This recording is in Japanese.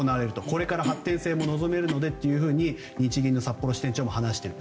これから発展性も望めるのでと日銀の札幌支店長も話してる。